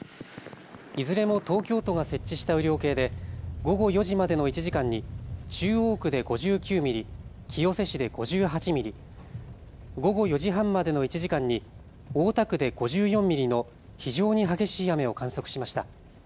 いずれも東京都が設置した雨量計で午後４時までの１時間に中央区で５９ミリ、清瀬市で５８ミリ、午後４時半までの１時間に大田区で５４ミリの非常に激しい雨を観測しました。